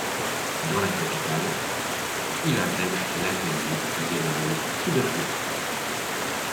Dans la capitale, il intègre l’atelier de Noël Quillerier.